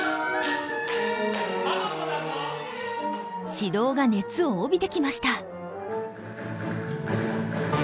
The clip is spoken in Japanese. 指導が熱を帯びてきました。